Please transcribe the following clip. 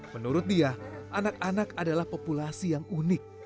menurut dia anak anak adalah populasi yang unik